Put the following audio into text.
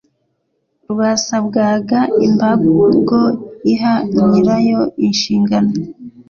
rwasabwaga imbago iha nyirayo inshingano